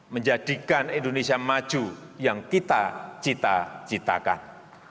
menjadikan indonesia maju yang kita cita citakan